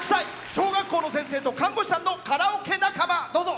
小学校の先生と看護師さんのカラオケ仲間。